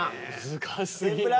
難しすぎる。